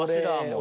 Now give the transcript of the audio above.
俺。